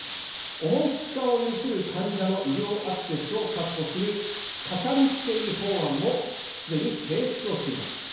重い疾患を有する患者の医療アクセスを確保する、かかりつけ医法案もすでに提出をしています。